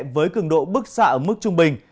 với cường độ bức xa ở mức trung bình